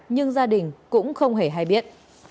nhưng gia đình cũng không hề hay biết